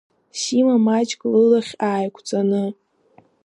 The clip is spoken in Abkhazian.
Сима маҷк лылахь ааиқәҵаны.